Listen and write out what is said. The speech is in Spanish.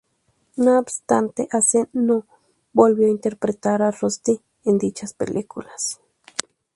No obstante, Ace no volvió a interpretar a Rusty en dichas películas.